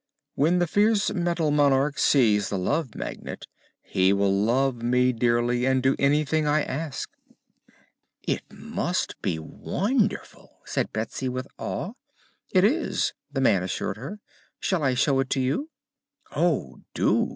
"When the fierce Metal Monarch sees the Love Magnet, he will love me dearly and do anything I ask." "It must be wonderful," said Betsy, with awe. "It is," the man assured her. "Shall I show it to you?" "Oh, do!"